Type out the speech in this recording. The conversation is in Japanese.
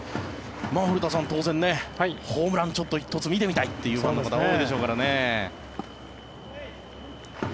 古田さん、当然ホームラン、ちょっと１つ見てみたいというファンの方も多いでしょうからね。